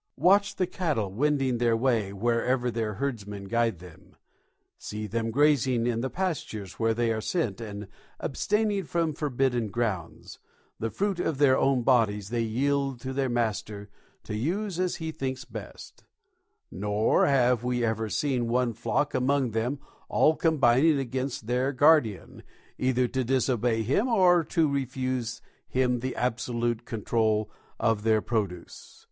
Watch the cattle wending their way wherever their herdsmen guide them, see them grazing in the pastures where they are sent and abstaining from forbidden grounds, the fruit of their own bodies they yield to their master to use as he thinks best; nor have we ever seen one flock among them all combining against their guardian, either to disobey him or to refuse him the absolute control of their produce.